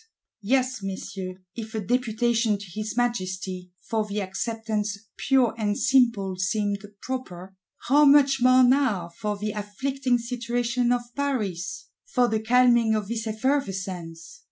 —Yes, Messieurs, if a Deputation to his Majesty, for the "Acceptance pure and simple," seemed proper,—how much more now, for "the afflicting situation of Paris;" for the calming of this effervescence!